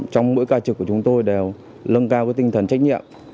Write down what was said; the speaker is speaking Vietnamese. trong mỗi ca trực của chúng tôi đều lân cao tinh thần trách nhiệm